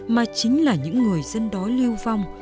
mà chính là những người dân đói lưu vong